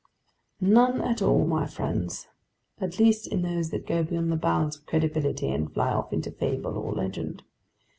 "None at all, my friends, at least in those that go beyond the bounds of credibility and fly off into fable or legend.